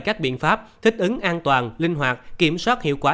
các biện pháp thích ứng an toàn linh hoạt kiểm soát hiệu quả